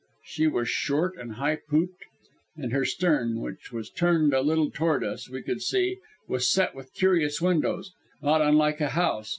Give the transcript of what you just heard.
She was short, and high pooped, and her stern, which was turned a little toward us, we could see, was set with curious windows, not unlike a house.